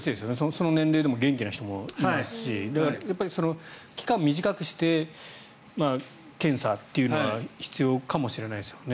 その年齢でも元気な人もいますしだから、やっぱり期間を短くして検査というのは必要かもしれないですよね。